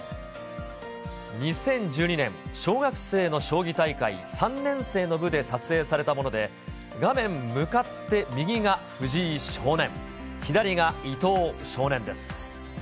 ２０１２年、小学生の将棋大会３年生の部で撮影されたもので、画面向かって右が藤井少年、左が伊藤少年です。